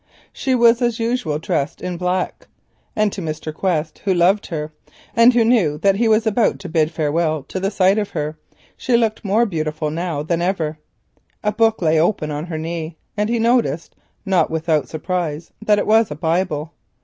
She was as usual dressed in black, and to Mr. Quest, who loved her, and who knew that he was about to bid farewell to the sight of her, she looked more beautiful now than ever she had before. A book lay open on her knee, and he noticed, not without surprise, that it was a Bible.